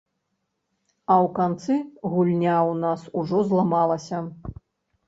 А ў канцы гульня ў нас ужо зламалася.